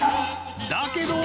「だけど」